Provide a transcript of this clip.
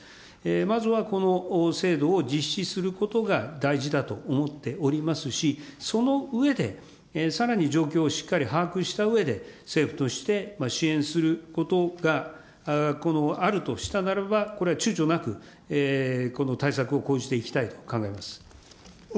まずはこの制度を実施することが大事だと思っておりますし、その上で、さらに状況をしっかり把握したうえで、政府として支援することがあるとしたならば、これはちゅうちょなく、対策を講じていきたいと考えます。